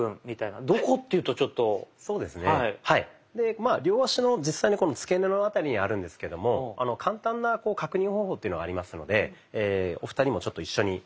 まあ両足の実際にこのつけ根の辺りにあるんですけども簡単な確認方法というのがありますのでお二人もちょっと一緒に。